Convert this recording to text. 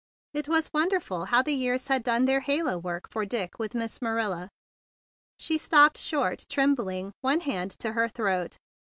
It was wonderful how the years had done their halo work for Dick with Miss Marilla. She stopped short, trembling, one hand to her throat.